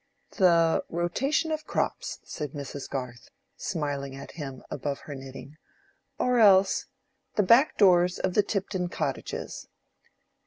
"The rotation of crops," said Mrs. Garth, smiling at him, above her knitting, "or else the back doors of the Tipton cottages."